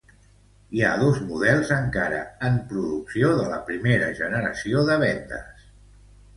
Hi ha dos models encara en producció de la primera generació de vendes.